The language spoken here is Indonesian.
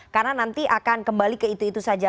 karena nanti akan kembali ke itu itu saja